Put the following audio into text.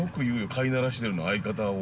飼いならしてるの、相方を。